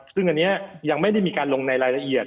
ซึ่งอันนี้ยังไม่ได้มีการลงในรายละเอียด